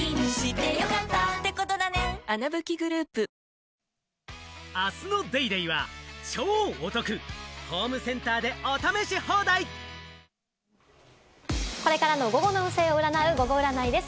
続くこれからの午後の運勢を占うゴゴ占いです。